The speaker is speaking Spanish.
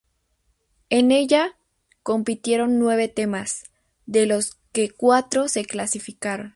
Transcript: En ella, compitieron nueve temas, de los que cuatro se clasificaron.